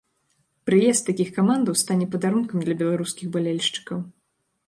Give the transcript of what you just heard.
Прыезд такіх камандаў стане падарункам для беларускіх балельшчыкаў.